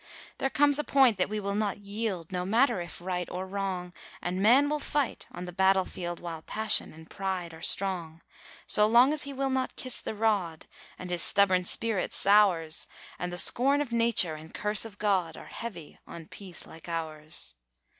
There comes a point that we will not yield, no matter if right or wrong, And man will fight on the battle field while passion and pride are strong So long as he will not kiss the rod, and his stubborn spirit sours, And the scorn of Nature and curse of God are heavy on peace like ours.